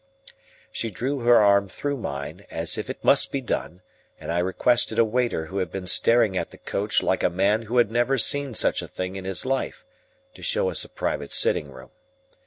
She drew her arm through mine, as if it must be done, and I requested a waiter who had been staring at the coach like a man who had never seen such a thing in his life, to show us a private sitting room.